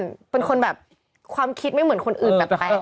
แต่แบบความคิดไม่เหมือนคนอื่นแบบแปด